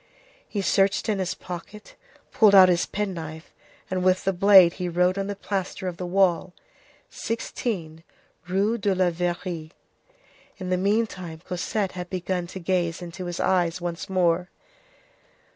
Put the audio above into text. He searched in his pocket, pulled out his penknife, and with the blade he wrote on the plaster of the wall:— "16 Rue de la Verrerie." In the meantime, Cosette had begun to gaze into his eyes once more.